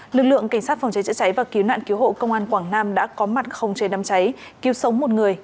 lực lượng cảnh sát phòng cháy chữa cháy và cứu nạn cứu hộ công an quảng nam đã có mặt không chế đám cháy cứu sống một người